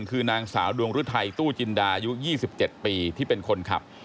คือนางสาวดวงฤทัยตู้จินดาอายุ๒๗ปีที่เป็นคนขับ